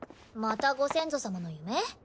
またご先祖様の夢？